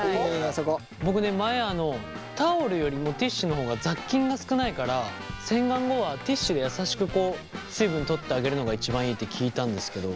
僕ね前タオルよりもティッシュの方が雑菌が少ないから洗顔後はティッシュで優しく水分取ってあげるのが一番いいって聞いたんですけど。